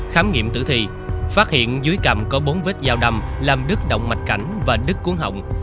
khám nghiệm tử thi phát hiện dưới cầm có bốn vết dao đầm làm đứt động mạch cảnh và đứt cuốn hồng